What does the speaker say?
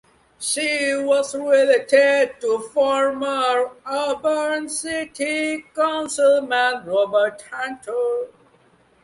She was related to former Auburn city councilman Robert Hunter.